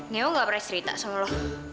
neo gak pernah cerita sama lo